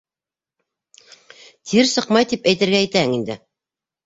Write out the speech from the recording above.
Тир сыҡмай, тип әйтергә итәһең инде?